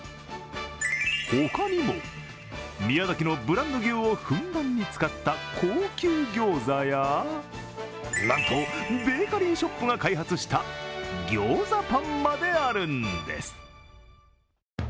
他にも、宮崎のブランド牛をふんだんに使った高級ギョーザやなんと、ベーカリーショップが開発したギョーザパンまであるんです。